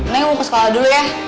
nih mau ke sekolah dulu ya